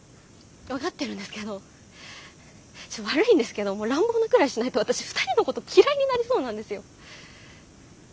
分かってるんですけど悪いんですけど乱暴なくらいしないと私２人のこと嫌いになりそうなんですよ。